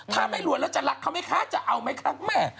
ถ้าไม่รวยแล้วจะรักเขาไหมคะจะเอาไหมคะแม่